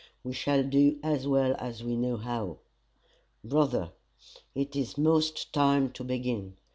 We shall do as well as we know how. "Brother, it is most time to begin.